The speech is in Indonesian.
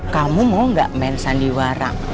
kamu mau gak main sandiwara